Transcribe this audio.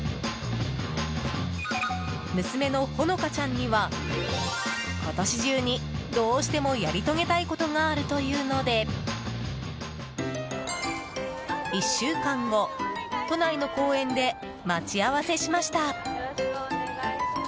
娘のほのかちゃんには今年中にどうしてもやり遂げたいことがあるというので１週間後都内の公園で待ち合わせしました。